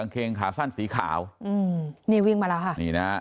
รถเกงขาสั้นสีขาวนี่วิ่งมาแล้วค่ะ